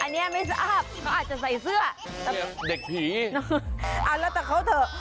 อันนี้ไม่ทราบเขาอาจจะใส่เสื้อแต่เด็กผีเอาแล้วแต่เขาเถอะ